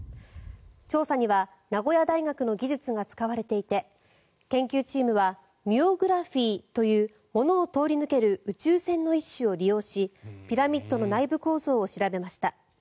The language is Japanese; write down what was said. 調査には名古屋大学の技術が使われていて研究チームはミュオグラフィというものを通り抜ける宇宙線の一種を利用しピラミッドの内部構造を調べました。